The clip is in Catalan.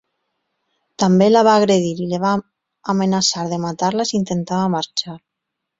També la va agredir i la va amenaçar de matar-la si intentava marxar.